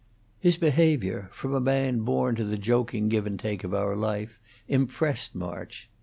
His behavior, from a man born to the joking give and take of our life, impressed March.